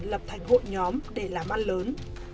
lập thành hội nhóm để làm ăn lớn